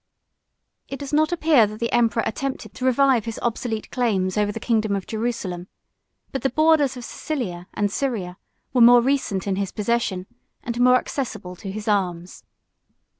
It does not appear that the emperor attempted to revive his obsolete claims over the kingdom of Jerusalem; 2 but the borders of Cilicia and Syria were more recent in his possession, and more accessible to his arms.